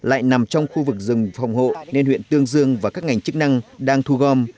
ủy ban nhân dân huyện tương dương và các ngành chức năng đang thu gom